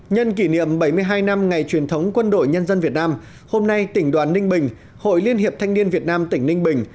nhân kỷ niệm bảy mươi hai năm ngày truyền thống quân đội nhân dân việt nam hôm nay tỉnh đoàn ninh bình hội liên hiệp thanh niên việt nam tỉnh ninh bình